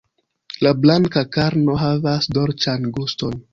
La blanka karno havas dolĉan guston.